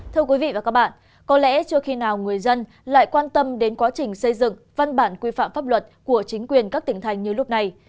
thưa quý vị và các bạn có lẽ chưa khi nào người dân lại quan tâm đến quá trình xây dựng văn bản quy phạm pháp luật của chính quyền các tỉnh thành như lúc này